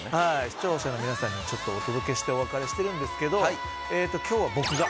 視聴者の皆さんにちょっとお届けしてお別れしてるんですけど今日は僕が。